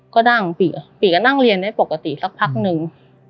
ก็ดั้งปิ๊บปิ๊บก็นั่งเรียนได้ปกติสักพักนึง